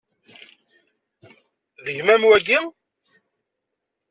D gma-m wagi?